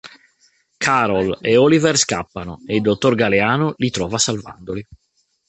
Carol e Oliver scappano, e il Dr. Galeano li trova salvandoli.